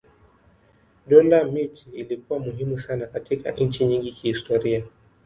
Dola miji ilikuwa muhimu sana katika nchi nyingi kihistoria.